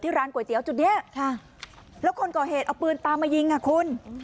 ร้านก๋วยเตี๋ยวจุดนี้แล้วคนก่อเหตุเอาปืนตามมายิงอ่ะคุณ